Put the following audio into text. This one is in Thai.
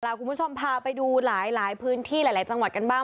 คุณผู้ชมพาไปดูหลายพื้นที่หลายจังหวัดกันบ้าง